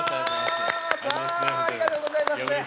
さあありがとうございます！